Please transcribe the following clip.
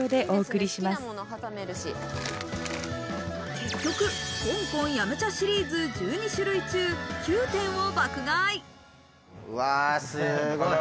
結局、香港飲茶シリーズ１２種類中９点を爆買い。